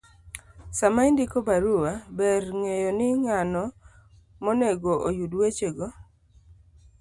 Sama indiko barua , ber ng'eyo ni ng'ano monego oyud wechego,